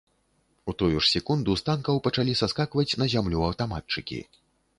У тую ж секунду з танкаў пачалі саскакваць на зямлю аўтаматчыкі.